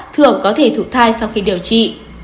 thường có thể thụ thai sau khi điều trị